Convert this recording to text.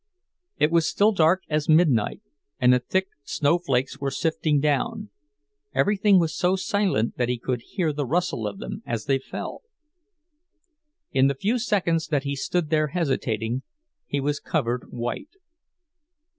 It was still dark as midnight, and the thick snowflakes were sifting down—everything was so silent that he could hear the rustle of them as they fell. In the few seconds that he stood there hesitating he was covered white.